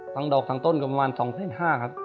ทั้งดอกทั้งต้นก็ประมาณ๒๕๐๐บาทครับ